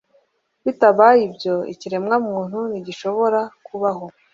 bitabaye ibyo, ikiremwamuntu ntigishobora kubaho